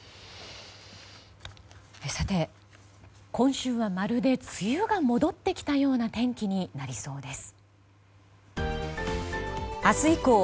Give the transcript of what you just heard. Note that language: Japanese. さて、今週はまるで梅雨が戻ってきたような天気になりそうです。